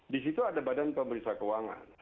di situ ada badan pemeriksa keuangan